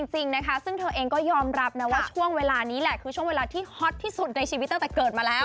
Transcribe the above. จริงนะคะซึ่งเธอเองก็ยอมรับนะว่าช่วงเวลานี้แหละคือช่วงเวลาที่ฮอตที่สุดในชีวิตตั้งแต่เกิดมาแล้ว